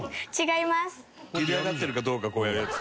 茹で上がってるかどうかこうやるやつ？